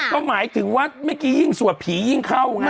ก็หมายถึงว่าเมื่อกี้ยิ่งสวดผียิ่งเข้าไง